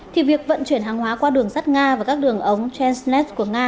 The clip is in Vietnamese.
thì việc vận chuyển hàng hóa qua đường sắt nga và các đường ống trendnet của nga